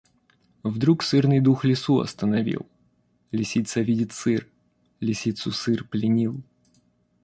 Вдруг сырный дух Лису остановил: Лисица видит сыр, — Лисицу сыр пленил.